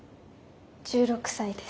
１６歳です。